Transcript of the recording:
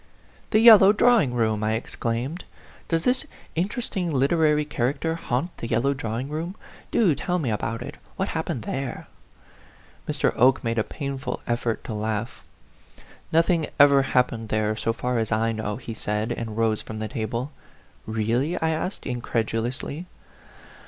" The yellow drawing room !" I exclaimed. "Does this interesting literary character A PHANTOM LOVER. 55 haunt the yellow drawing room? Do tell me about it ? What happened there ?" Mr. Oke made a painful effort to laugh. " Nothing ever happened there, so far as I know," he said, and rose from the table. " Really ?" I asked, incredulously.